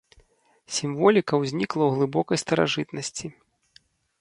Сімволіка ўзнікла ў глыбокай старажытнасці.